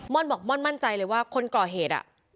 ่อนบอกม่อนมั่นใจเลยว่าคนก่อเหตุ